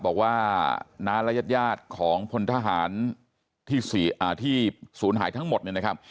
บอกว่าน้ารายัดของพลทหารที่สูญหายทั้งหมดเนี่ยนะครับ